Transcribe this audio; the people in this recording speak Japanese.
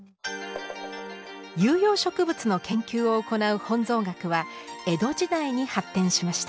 有用植物の研究を行う本草学は江戸時代に発展しました。